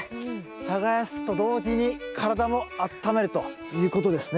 耕すと同時に体もあっためるということですね。